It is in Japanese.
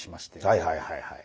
はいはいはいはい。